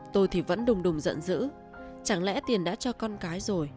tôi thì vẫn đùng đùng giận dữ chẳng lẽ tiền đã cho con cái rồi